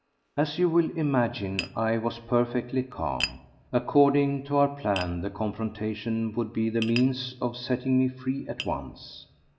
As you will imagine, I was perfectly calm. According to our plan the confrontation would be the means of setting me free at once.